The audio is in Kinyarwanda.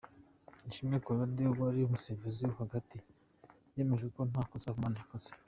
Ishimwe Claude wari umusifuzi wo hagati yemeje ko nta kosa Habimana yakoze.